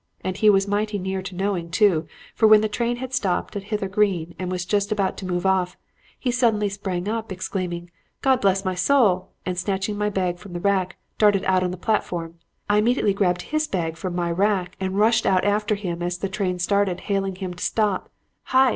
And he was mighty near to knowing, too; for when the train had stopped at Hither Green and was just about to move off, he suddenly sprang up, exclaiming, 'God bless my soul!' and snatching my bag from the rack, darted out on the platform. I immediately grabbed his bag from my rack and rushed out after him as the train started, hailing him to stop. 'Hi!